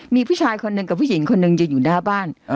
มีผู้ชายคนหนึ่งกับผู้หญิงคนหนึ่งยืนอยู่หน้าบ้าน